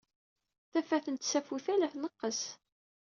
Tafat n tsafut-a la tneqqes.